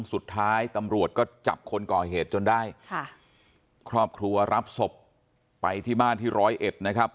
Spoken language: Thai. สุดท้ายตำรวจก็จับคนก่อเหตุจนได้ค่ะครอบครัวรับศพไปที่บ้านที่ร้อยเอ็ดนะครับ